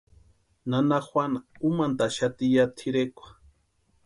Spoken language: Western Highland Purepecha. Nana Juana úmantʼaxati ya tʼirekwa.